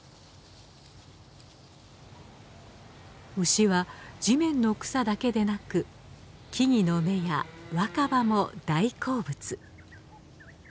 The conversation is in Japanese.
牛は地面の草だけでなく木々の芽や若葉も大好物。